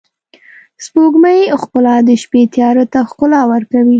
د سپوږمۍ ښکلا د شپې تیاره ته ښکلا ورکوي.